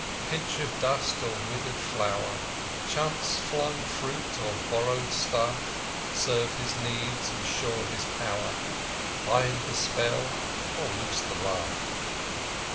Pinch of dust or withered flower, Chance flung fruit or borrowed staff, Serve his need and shore his power, Bind the spell, or loose the laugh!